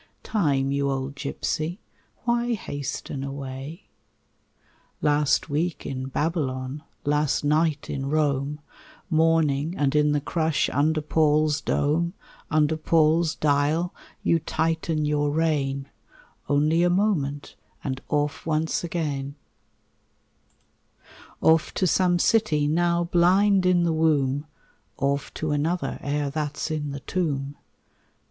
Time, you old gipsy, Why hasten away? Last week in Babylon, Last night in Rome, Morning, and in the crush Under Paul's dome; Under Paul's dial You tighten your rein Only a moment, And off once again; RAINBOW GOLD Off to some city Now blind in the womb, Off to another Ere that's in the tomb.